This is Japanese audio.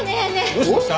どうしました？